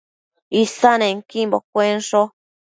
Isannequimbo cuensho